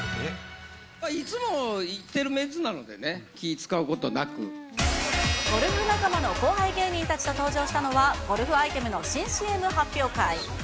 いつも行ってるメンツなのでね、ゴルフ仲間の後輩芸人たちと登場したのは、ゴルフアイテムの新ＣＭ発表会。